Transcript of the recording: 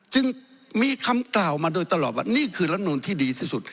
จึงมีคำกล่าวมาโดยตลอดว่านี่คือรัฐนูนที่ดีที่สุด